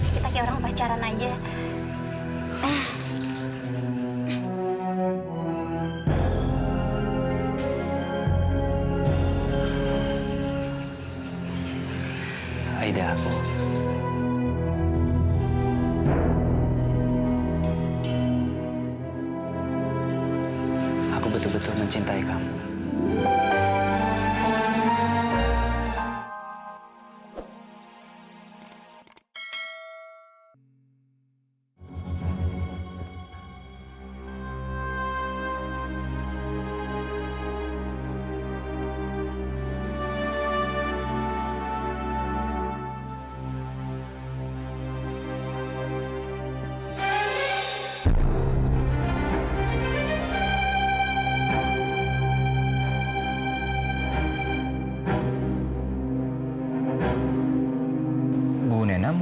sampai jumpa di video selanjutnya